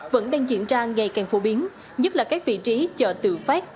vẫn đang diễn ra ngày càng phổ biến nhất là các vị trí chợ tự phát